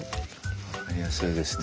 分かりやすいですね。